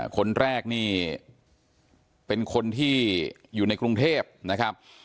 คนแรกนี่เป็นคนที่อยู่ในกรุงเทพนะครับ